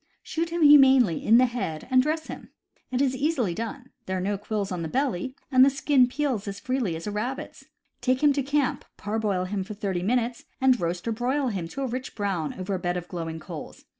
Shoot him humanely in the head, and dress him. It is easily done; there are no quills on the belly, and the skin peels as freely as a rabbit's. Take him to camp, parboil him for thirty minutes, and roast or broil him to a rich brown over a bed of glowing coals.